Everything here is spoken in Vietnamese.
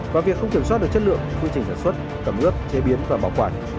và việc không kiểm soát được chất lượng phương trình sản xuất cẩm ướp chế biến và bảo quản